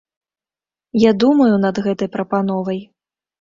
Я думаю над гэтай прапановай.